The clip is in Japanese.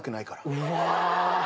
うわ。